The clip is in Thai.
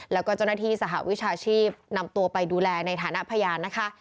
แล้วก็เจ้าหน้าที่สหวิชาชีพนำตัวไปดูแลในฐานะพยานนะคะ